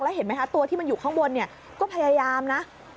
แล้วเห็นไหมคะตัวที่มันอยู่ข้างบนก็พยายามนะ